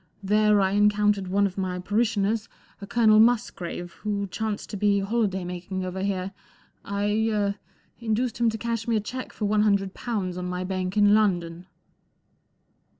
There I encountered one of my parishioners, a Colonel Musgrave, who chanced to be holiday making over here. I —er—induced him to cash me a cheque for one hundred pounds on my bank in London."